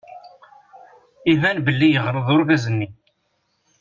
Iban belli yeɣleḍ urgaz-nni.